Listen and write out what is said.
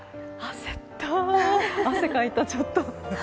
焦った、汗かいた、ちょっと。